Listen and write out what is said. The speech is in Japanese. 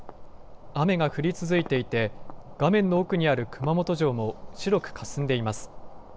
雨が降り続いていて画面の奥にある熊本城も白くかすんでいます。